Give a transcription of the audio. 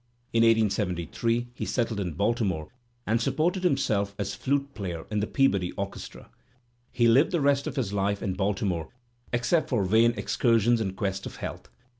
In 1873 he Digitized by Google LANIER 323 settled in Baltimore and supported himself as flute player in the Peabody Orchestra. He Uved the rest of his life in Baltimore, except for vain excursions in quest of health.